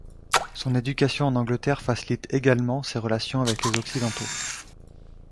Son éducation en Angleterre facilite également ses relations avec les Occidentaux.